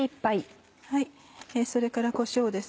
それからこしょうです。